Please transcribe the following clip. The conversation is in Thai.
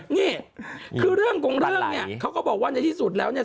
นี่คือเรื่องของเรื่องเนี่ยเขาก็บอกว่าในที่สุดแล้วเนี่ย